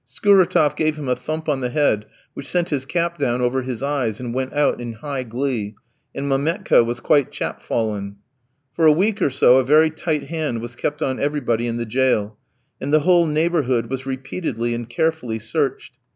Skouratof gave him a thump on the head, which sent his cap down over his eyes, and went out in high glee, and Mametka was quite chapfallen. For a week or so a very tight hand was kept on everybody in the jail, and the whole neighbourhood was repeatedly and carefully searched.